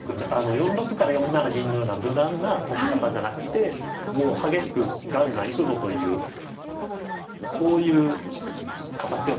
４六から４七銀のような無難な指し方じゃなくてもう激しくガンガン行くぞというそういう形を持ってきているわけですね。